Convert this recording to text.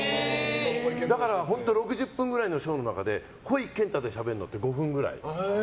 だから、６０分ぐらいのショーの中でほいけんたでしゃべるのって５分くらい。